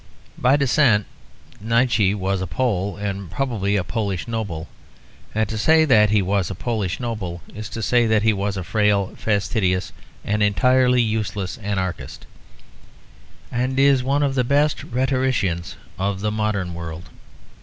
By descent Nietzsche was a Pole, and probably a Polish noble; and to say that he was a Polish noble is to say that he was a frail, fastidious, and entirely useless anarchist. He had a wonderful poetic wit; and is one of the best rhetoricians of the modern world.